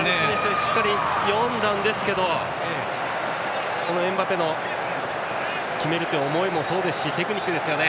しっかり読んだんですけどエムバペの決めるという思いもそうですしテクニックですよね